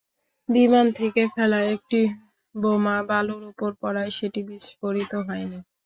বিমান থেকে ফেলা একটি বোমা বালুর ওপর পড়ায় সেটি বিস্ফোরিত হয়নি।